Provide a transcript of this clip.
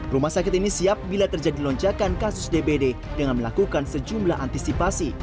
rumah sakit ini siap bila terjadi lonjakan kasus dbd dengan melakukan sejumlah antisipasi